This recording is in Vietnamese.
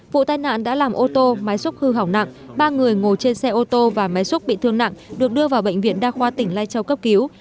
vụ tai nạn đã làm ô tô máy xúc hư hỏng nặng ba người ngồi trên xe ô tô và máy xúc bị thương nặng được đưa vào bệnh viện đa khoa tỉnh lai châu cấp cứu